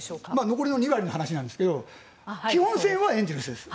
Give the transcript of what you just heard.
残りの２割の話なんですが基本線はエンゼルスです。